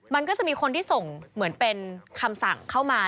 มันก็จะมีคนที่ส่งเหมือนเป็นคำสั่งเข้ามา